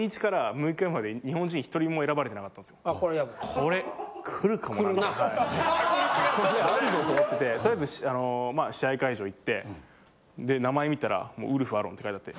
これあるぞと思っててとりえず試合会場行って名前見たらウルフ・アロンって書いてあって。